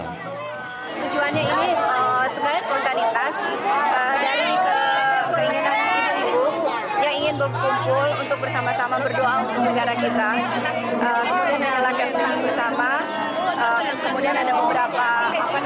tujuannya ini sebenarnya spontanitas dari keinginan ibu ibu yang ingin berkumpul untuk bersama sama berdoa untuk negara kita kemudian menjalankan